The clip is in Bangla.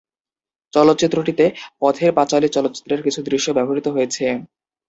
চলচ্চিত্রটিতে "পথের পাঁচালী" চলচ্চিত্রের কিছু দৃশ্য ব্যবহৃত হয়েছে।